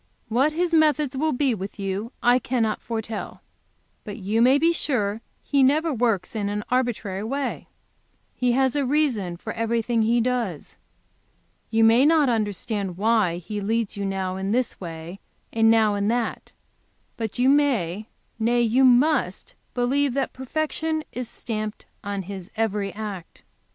"What His methods will be with you I cannot foretell. But you may be sure that He never works in an arbitrary way. He has a reason for everything He does. You may not understand why He leads you now in this way and now in that, but you may, nay, you must believe that perfection is stamped on His every act.